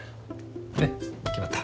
ねっ決まった。